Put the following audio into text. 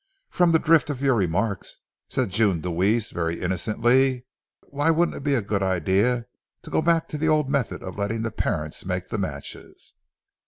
"From the drift of your remarks," said June Deweese very innocently, "why wouldn't it be a good idea to go back to the old method of letting the parents make the matches?"